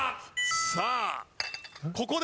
さあここで？